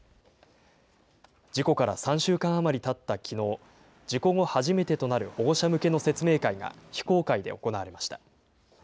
事故から３週間余りたったきのう、事故後、初めてとなる保護者向けの説明会が非公開で行われました。